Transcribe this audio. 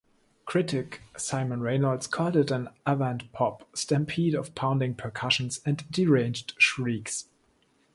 Critic Simon Reynolds called it an avant-pop stampede of pounding percussion and deranged shrieks.